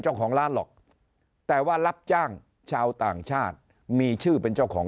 เจ้าของร้านหรอกแต่ว่ารับจ้างชาวต่างชาติมีชื่อเป็นเจ้าของ